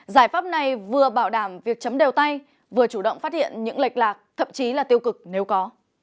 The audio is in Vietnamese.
giải pháp này vừa bảo đảm việc chấm đều tay vừa chủ động phát hiện những lệch lạc thậm chí là tiêu cực nếu có